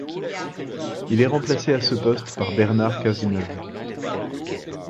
Il est remplacé à ce poste par Bernard Cazeneuve.